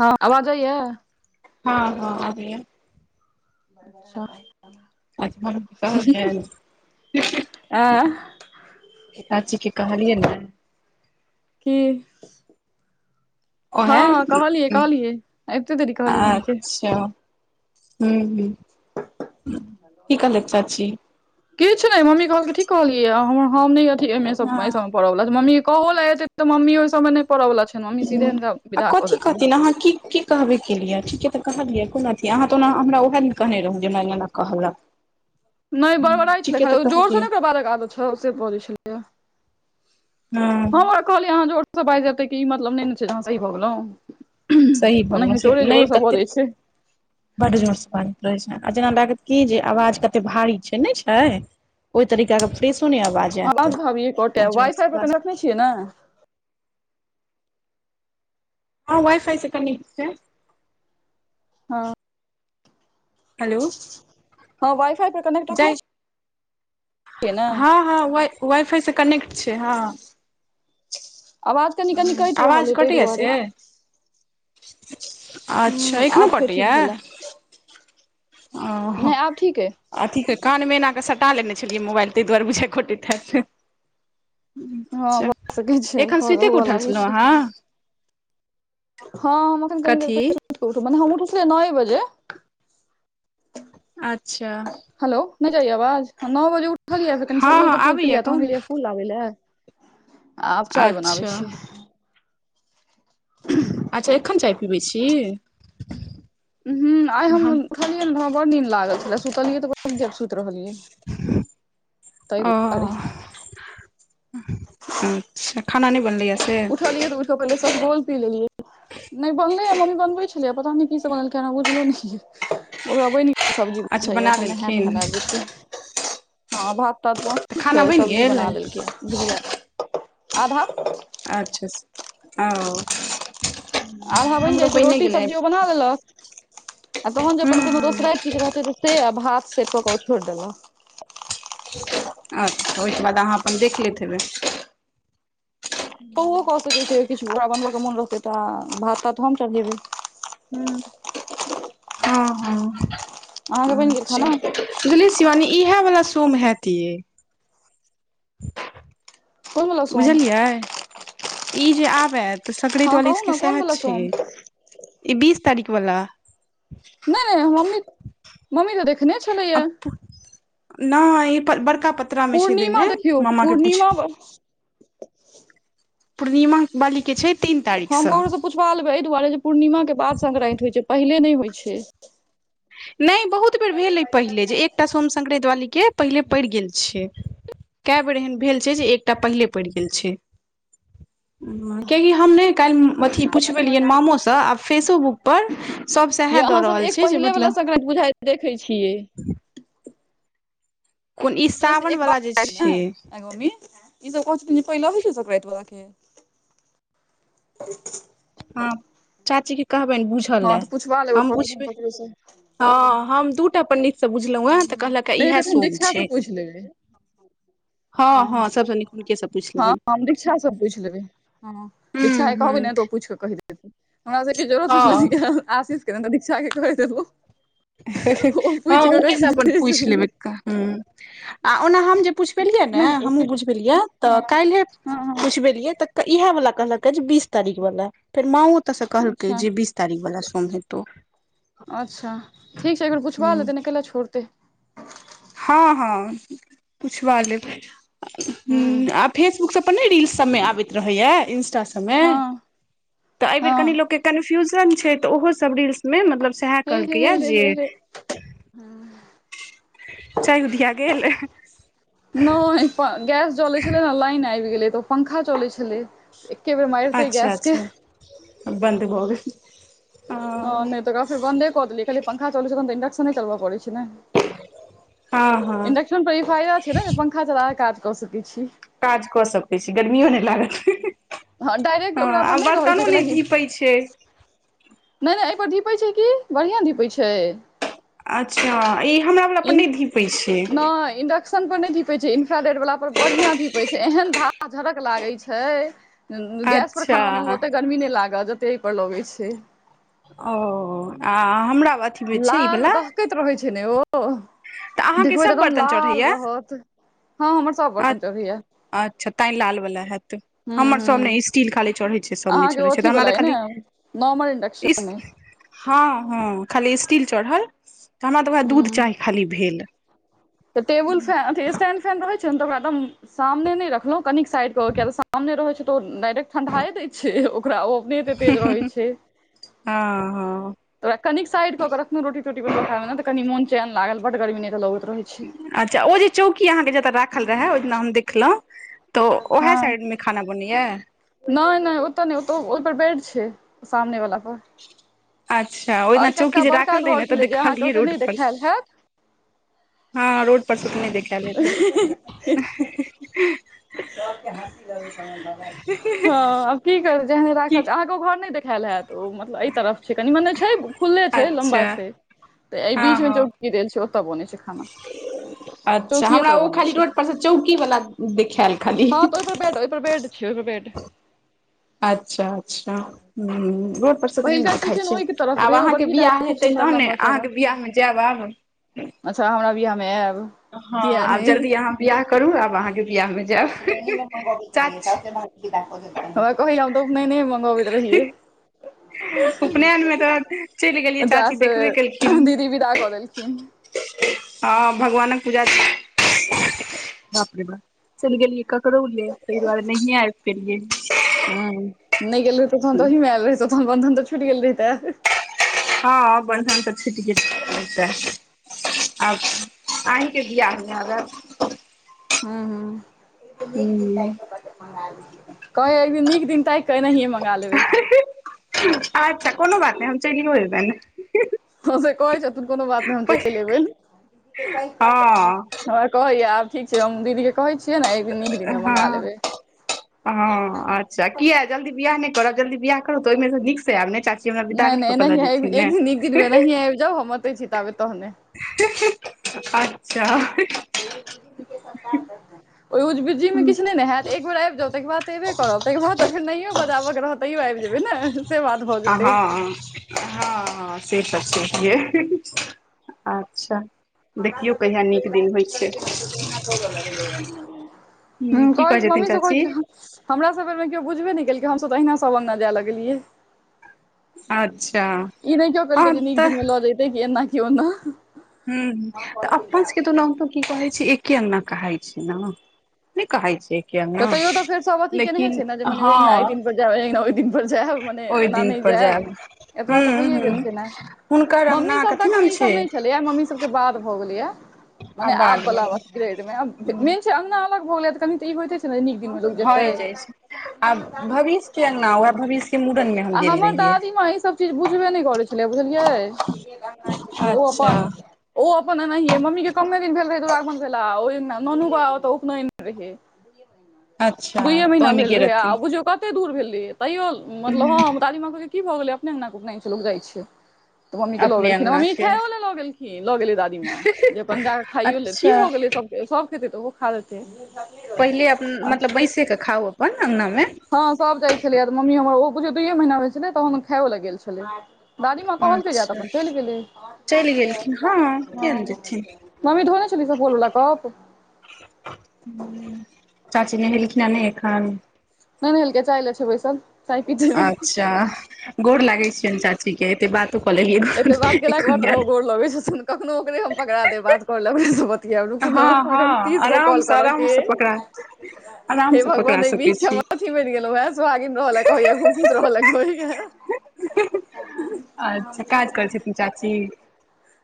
हँ आवाज जाइयै हँ हँ आबय ये [unintelligible] [unintelligible] कहलियै आँ चाचीे के कहलियै ने की हँ ओहे हँ कहलियै कहलियए अबिते देरी कहलियै मम्मी के अच्छा हं हं की कहलैथ चाची? किछु नहि मम्मी कहलकै ठीक कहलियै हम हम नहि अथि अय मे सब अय हँ सब [unintelligible] मम्मी कहो लै एतै तऽ मम्मी ओहि सबमे नय पड़वला छै हूं आ कथी कहथिन अहाँ की की कहबे केलियै ठीके तऽ कहलियै कोन अथी अहाँ तऽ ओना हमरा उएह दिन कहने रहौ जे हमरा एना एना कहलक [inaudible] नहि बड़बड़ाय छलै ठीके तऽ खाली जोर से कहलियै ने कियो बाजैत आबय छौ से बजै छलैये हँ ह हम ओकरा कहलियै अहाँ जोरसँ बाजि लेब तैके ई मतलब नहि ने छै जे अहाॅं सही भऽ गेलहुँ सही [unintelligible] भऽ ओनाहु चोरो जे नहि जोर सऽ कते बजै छै बड जोर से बाजैत रहैत छै आ जेना लागत की जे आवाज कते भारी छै ने छै ओहि तरीकाके फ्रेशो नहि आवाज आयत भाभी आ कटैया वाइ फाइ जोरसँ बाजत [unintelligible] ने हँ वाइफाइ से कनेक्ट छै हँ हेलो हँ वाइ- फाई पर कनेक्ट रखने जय छी। हँ- हँ, व- वाई -फाई, से कनेक्ट छै हँ। आवाज कनि -कनि कटि रहल आवाज हइ तै कटैया से दुआरे। अच्छा हूँ एखनो आब फेर ठीक कटैया। भेलै आ नहि आब ठीक अइ अथीे कानमे एना कऽ सटा लेने छलियै मोबाइल, तै दुआरे बुझाइया कटैत हैत। हँ अच्छा भऽ सकैत छै एखन सुत कऽ हुअ उठल लागै छलहुँ छै अहाँ। हँ हम एखन कनी देर कथी पहिले सुइते के उठलौ, हम उठुै नऐ बजे। अच्छा! हेलो नै जाइया आवाज, नअ बजे उठलियै कनि हँ सफगोल हँ -तफगोल आबैया पिलयै, कहू तहन ने गेलयै हैं फूल लाबै लए, आब चाय बनाबै अच्छा छियै। अच्छा एखन चाय पीबै छी। ह आइ हम उलियै ने बड़ नीन लागल छलै, सुतलियै तबो ताहि ओ। दुआरे अच्छा खाना नहि बनलैया? उठलियै तऽ उइठ के पहिले सफगोल पी लेलियै। नै बनले ह ममी बनबे छले, पता ने की सब बनेलक हमरा बुझलो नै या ओकरा बैन सब्जी अच्छा बुझाइया बना अपन नहैत, लेलखिन तैहैत हँ भात- तात तऽ खाना छुछे बनि सब्जी बना गेल लेलकै, बुझिय आधा अच्छा ओ। आधा बनि हमरो जाइ छै, बने रोटी गेलै सब्जी ओ बना लेलक। आ तहन जे हूँ अपन कोनो हूँ दोसराइत किछु रहतै से, आ भात से कऽ के ओ छोड़ि देलक। अच्छा ओहिके बाद अहाँ अपन देख लैत हेबै। तऽ उहो कऽ सकै छै, किछु ओकरा बनबय के मोन रहतै तऽ, आ भात- तात हम चढ़ेबै। हूँ हँ- अहाँके हँ बनि गेल अच्छा। खाना बुझलियै शिवानी इहै वाला सोम हैत यै। कोन वला सोम बुझलियै ई जे आब ऐत। तऽ सकड़ैत हँ वाली कहू ने सबके कोन सएह वला छै, सोम ई बीस तारीख वाला। नै- नै हम नै मम्मी तऽ देखने छलैया। नै ई प- बड़का पतरा मे छै पूर्णिमा देने देखियौ मामा के पूछ पूर्णिमा पूर्णिमा बाली के छै तीन तारीख हम सँ ककरोसँ पुछवा लेबै, एहि दुआरे जे पूर्णिमाके बाद संक्रान्ति होइत छै, पहिले नै होइत छै। नै बहुत बेर भेल अइ पहिले, जे एकटा सोम संक्रांति वाली के पहिले पड़ि गेल छै। कए बेर एहन भेल छै, जे एकटा पहिले पड़ि गेल छै। [inaudible] कियाकि हम ने काल्हि अथी पुछबेलियै मामोसँ, आ फेसोबुक पर सभ सएह या दऽ अहाँ सब रहल एक छै, जे पहिले मत वाला संक्रान्ति बुझाइ देखै छियै। कोन ई ओतसे सावन एक वाला जे बात आइत ने छै आइं गे मम्मी। ई सब कहै छथिन जे, पहिलही छै संक्रांति वाला के। हँ चाची के कहबनि बुझ हँ तऽ पूछवा लेब अपन ओ ककरो से हँ हम दू टा पंडितसँ बुझलहुँ हैं, तऽ हूँ कहलक हैं नहि इएह हेतै तऽ हम सोम दीक्षा से छै। पूछि लेबै हँ- सबसँ नीक हुनकेसँ पूछि हँ लेबनि हम दीक्षा से पूछि लेबै हं। हूँ दीक्षा के कहबै हूँ ने त ओ पूछि क कहि देत। एथिन हमरा सबके जरूरत होइ छलै त हँ ठीके आशीष के नहि त दीक्षा के कहि देलौं। हँ हुनके से अपन पूछि लेबै छलै कहं हम्म आ ओना हम जे पुछबेलियै ने, हमहूँ नहि बुझबेलियै तऽ हँ काल्हे हँ हँ पुछ बेलियै तऽ इएह वाला कहलकै जे बीस तारीख वाला, फेर मां ओतऽ से कहलकै अच्छा जे बीस तारीख वाला सोम हेतौ। अच्छा ठीक छै, एक बेर पुछबा लेतै ने कैला छोड़तै। हँ-हँ पुछवा लेबै हूँ हम्म आ फेसबुक सब पर नहि रील्स सबमे आबैत रहैया इंस्टा सबमे, हँ तऽ एहिबर कनी हँ लोकके कन्फ्यूजन छै, तऽ ओहोसभ रील्समे मतलब सैह‌ए कहलकैया जे हम्म चाय उधिया गेल। नहि प गैस जलै छलै न लाइन आबि गेलै, तऽ ओ पंखा चलै छलै। एके बेर मारितै गैस के अच्छा-अच्छा बन्द भ गेल। ह नहि तऽ ओकरा फेर बन्दे कऽ देलियै, कहलियै पंखा चलै छलै तहन त इंडक्शने चलबऽ पड़ै छै ने। हँ-हँ इंडेक्सन पर ई फायदा छै ने जे पंखा चला कऽ काज कऽ सकै छी। काज कऽ सकै छी गर्मियो नहि लागत। डायरेक्ट हँ ओकरा आ पर नहि रहै छै बर्तनो नहि धीपै छै। नहि-नहि एहिपर धीपै छै की, बढ़ियां धीपै छै। अच्छा ई हमरा वला पर नहि धीपै छै। इंडेक्शन पर नहि धीपै छै, इन्फ्राडेड वाला पर बढ़ियां धीपै छै, एहन धाह झरक लागै छै। गैस पर अच्छा खाना बनबऽ मे ओते गर्मी नहि लागत, जतेक एहि पर लगै छै। ओं आ हमरा अथि लाल दहकैत रहै छै ने ओ, तऽ अहाँके देखबै त सभ एकदम बर्तन लाल चढ़ैया रहत। हँ हमर सब बर्तन चढ़ैया। अच्छा तैंय लाल बाला हैत, हूं हमर हूं सब नहि स्टील खाली चढ़ै छै, सब नहि चढ़ै छै त हमरा त खाली नार्मल इंडक्शन अय। हँ-हँ खाली स्टील चढ़ल, त हमरा त ओएह हूं दूध चाही खाली भेल। तऽ टेबल फै स्टैंन्ड फैन रहै छै न, त ओकरा दम सामने नहि रखलहुँ, कनिक साइड क क किया त सामने रहै छै तऽ ओ डायरेक्ट ठण्ढाए दैत छै, ओकरा ओ अपने एते तेज रहै छै। हँ-हँ तो ओकरा कनिक साइड क क रखनौ, रोटी-तोटी बन बऽ काल में तऽ कनि मोन चैन लागल, बड गर्मी नहि तऽ लगैत रहै छै। अच्छा ओ जे चौंकी अहाँके जतऽ राखल रहए ओहि दिना हम देखल‌ऊ तोऽ ओहै साइडमे खाना बनै यैं। नहि-नहि ओतऽ नहि ओत ओहि पर बेड छै सामने बला पर। अच्छा ओहि दिना एहि चौंकी कतका जे बड़का राखल रहै घर न तऽ छलै जे अहाँके देखलियै ओते नहि रोडपर देखायल स। हैत हँ रोड पर से त नहि देखैल हेतै। सबके हँसी लगै छै हमर बनैल हँ आब की करू जेहने की राखल छ अहाँके ओ घर नहि देखायल हैत। त ओ मतलब एहि तरफ छै कनि, मने छै खुलले छै लम्बा अच्छा छै। तऽ एहि हँ बीच मे हँ चौंकी देल छै, ओत बनैं छै खाना। अच्छा चौकिए हमरा पर ओ बनै खाली छै रोड पर से चौकी वाला दे हँ तऽ ओहि पर बेड- ओहि पर बेड छै-ओहि पर बेड। अच्छा-अच्छा हम्म रोड पर से त नहि न पहिलका देखाय किचन छै, ओहिके तरफ आब रहै ओ अहाँके बड़की टा बियाहे। खूब हेतै सुन्दर तहने, लम्बा अहाँके चौड़ा बिआाहमे जायब आब। अच्छा! हमरा बिआाहमे आयब। हँ, किया आब जल्दी अहाँ बिआह करू, आब अहाँके बियाहमे जायब उपलयने मे भ गेल छलैय, चाची साफ कहलिन [unintelligible] भक। कहहि तऽ अपने ने मंगबैत रहियै। उपनयनमे तऽ चलि गेलियै जा चाची, से देखबे केलखिन। दीदी विदा कऽ देलखिन हँ भगवानक पूजा! बापरे बा चलि गेललियऐ ककरोले, तहि दुारे नहि आय पेलियै। ह, नहि गेल रहितौ तन तऽहीमे आयल रहैतो, तनन तऽ और छूटि गेल रही ते। हँ बधन त छुटि गेल रहितै। अआब अहींके बियाह मे अगर हू- हू। न नीक दिन हूँ। त मंगा लेबे। अचछा! कोनो बात नहि, हम चलियो एबैन। ह से कहै छथिन, कोनो बात नहि, हम चलि अबैन। हँ हमरा कहैया आब ठीक छै, हम दीदीके कहै छियैने, एक दिनमे मङँगा हँ। लेबै। हँ, अच्छा! किया जल्दी बियाह नहि करब, जल्दी बियाह करब तऽ, ओहिमे नीकसँ आयब ने, चा नहि -नहि नह आ एक दिन एक दिनमेहीं आ जाउ, हम म एते छी, ताबे तहने। [inaudible] अच्छा! ओहिमे खुशी से के सतकार करतैन। ओहि उजबीजी मे हँ। किछु नहि ने हयत, एक बेर आबि जाउ, तेकर बाद त एबे करब, तेकर बादऽ फेर नहियो बजाबऽके रहत तैयो आबि जेबै ने, से बात भऽ जेतै। हँ- हँ, से त छैहे, अच्छा! देखियौ कहिया नीक दिन होइत छै? [unintelligible] ह की कहै कह छथिन ममी से कह चाची? छै। हमरा सभ बैर मे केओ बुझबे नहि केलकै, हम तऽ अहिना सब अङ्गनाय जै लगलियै। अच्छा! ई नहि को कलकै हँ जे निक तऽ दिन मे लऽ जैते, कि एना की ओन्ना। हुँ, त अपन सभ के त ओनाहतो की कहै छै, एके अङ्गना कहै छै, ने नहि कहै छै? एके तऽ अंगना तैयो तऽ फेर सब अथी केनेह लेकिन छै ने, जे मने हँ ओङ्गना दिन पर जायब, अना ओहि दिन पर जायब, मने ओहि एना दिन नहि पर जायब, एतबा तऽ ह्म- भइए गेल ह्म, छै ने हुनकर अंगना कथी नाम छै? यऽ मम्मी सबके बाद भऽ गेलै या। मने आबाद आब वला ग्रेड मे, मेन छै अगना अलग भ गेलै त, कनि तऽ ई होइते छै ने नीक दिन में लोग जेतै। भए जाइ छै माँ आ भविष्य के अंगना उएह भविष्य के मूड़न मे हम [unintelligible] गेल हमर रहियै दादी माँ ई सब चीज बुझबे नहि करैत छै। छलै, बुझलियै, ओहो अच्छा अपन [unintelligible] ओ अपन एनहिये, मम्मी के कमे दिन भेल रहै दुरागमन भेला ओ अंगना, ननू बाबा ओत्तअ उपनइन रहय। अच्छा दुइयए तऽ महीना ओहिमे भेल गेल रहै, रहथिन आब बुझियो क कते दूर भेलै, तैयो मतलब हँ, दादी मां कहलके की भऽ गेलै, अपने अंगना के उपनइन छै, लोक जाइत छैै। तऽ मम्मी के लऽ अपने गेलखिन, अंगना मम्मी के खायो ले लऽ गेलखिन, लऽ गेलै दादीमााँ। जे अपन जा कऽ खाइयो लेत, की अच्छा भऽ गेलै सभ खेतै तऽ ओहो खा लतै। पहिले अपन मतलब, बैसे के खाउ अपन अङगना मे। हँ, सब जाइ छलै, मम्मी हमर ओ बुझियो दुइयए महीना भेल छलै, तहन खायो ल गेल छलै। दादीमा कहलके जायलै, अच्छा तऽअपन चलि गेलै, चलि गेलखिन किया हँ। ने जेथिन मम्मी धोने छलीह सपबोल वला कप चाची नहेलखिन हन नै एखन नै नहलकै चाय लेय छै, बैसल चाय पीते अच्छा गोर लागैन छियैन चाची के एते बात तऽ क लेलिये एते बात गन केलाके बाद एखन तोरा ओ याद गोर लगै छथुन। कखनो ओकरे हम पकड़ा देब बात कऽ लेबै ओकरा से बत तियेब रुकू हँ नेयऽ हँ अखन तीस गो कॉल आरामसँ करऽ केय आरामसँ पकड़ा हे आरामसँ पकड़ा भगवान अय सकै बीच के हम छी अथी गेलउ हन सुआगिन रहलै कहय या खूब खुश रहयलऽ कहय ये अच्छा काज करै छथिन चाची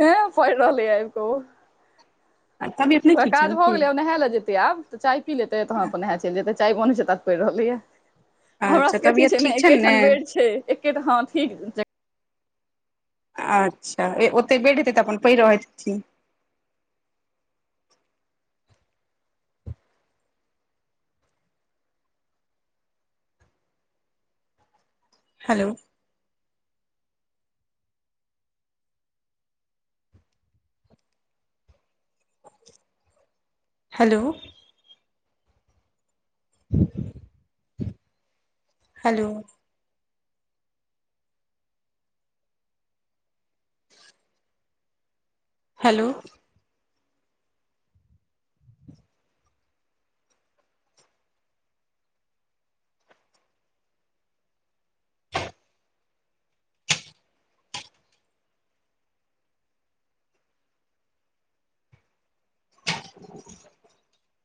हे पड़ि रहले यए ओ तबियत नहि ओकरा ठीक काज छनि भऽ की गेलै नहाय ले जेते आब तऽ चाय पी लेतै तहन अपन नहा चलि जेतै चाय बनै छैय ता पड़ि रहलैए। हमरा अच्छा सबके अथी तबियत छैय, नेय ठीक छनि ने एकेठाम बेड छै एकेठ हां ठीक। अच्छा ओते बेड हेतै तऽ अपन पढ़ि रहैत छी। हलो हलो [inaudible] हलो हलो [inaudible]